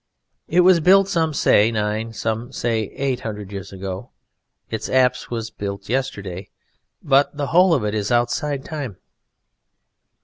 It was built some say nine, some say eight hundred years ago; its apse was built yesterday, but the whole of it is outside time.